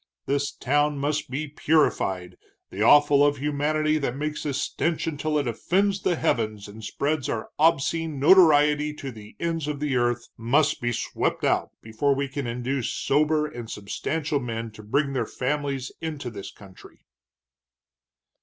This town must be purified, the offal of humanity that makes a stench until it offends the heavens and spreads our obscene notoriety to the ends of the earth, must be swept out before we can induce sober and substantial men to bring their families into this country."